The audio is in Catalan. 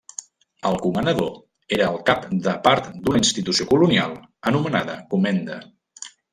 El comanador era el cap de part d'una institució colonial anomenada comenda.